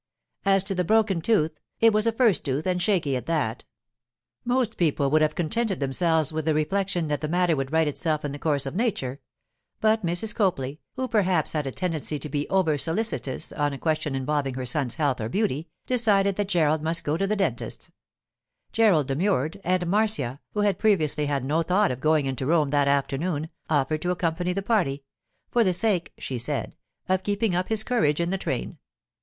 As to the broken tooth, it was a first tooth and shaky at that. Most people would have contented themselves with the reflection that the matter would right itself in the course of nature. But Mrs. Copley, who perhaps had a tendency to be over solicitous on a question involving her son's health or beauty, decided that Gerald must go to the dentist's. Gerald demurred, and Marcia, who had previously had no thought of going into Rome that afternoon, offered to accompany the party, for the sake—she said—of keeping up his courage in the train.